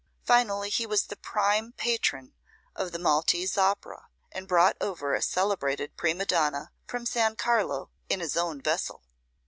Finally, he was the prime patron of the Maltese opera, and brought over a celebrated Prima Donna from San Carlo in his own vessel.